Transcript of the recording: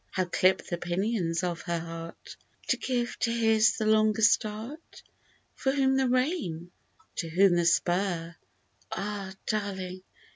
How clip the pinions of her heart To give to his the longer start ? For whom the rein ?— to whom the spur Ah, darling